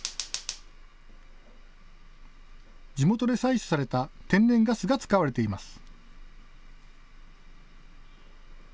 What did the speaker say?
地元で採取された天然ガスが使われています。